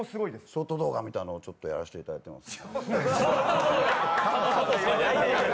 ショート動画みたいなのをちょっとやらせてもらってます。